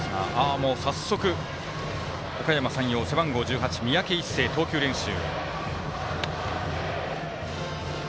もう早速、おかやま山陽背番号１８の三宅一誠、投球練習。